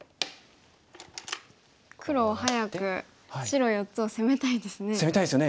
黒は早く白４つを攻めたいですね。